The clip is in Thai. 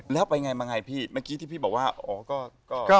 แล้วไปไงมาไงพี่เมื่อกี้ที่พี่บอกว่าอ๋อก็